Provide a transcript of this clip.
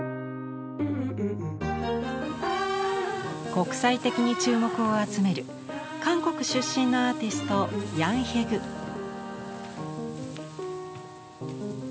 国際的に注目を集める韓国出身のアーティストヤン・ヘギュ。